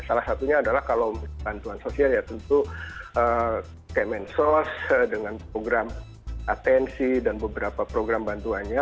salah satunya adalah kalau bantuan sosial ya tentu kemensos dengan program atensi dan beberapa program bantuannya